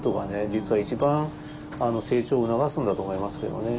実は一番成長を促すんだと思いますけどね。